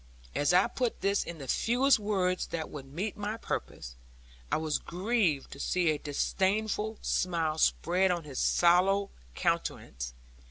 As I put this in the fewest words that would meet my purpose, I was grieved to see a disdainful smile spread on his sallow countenance.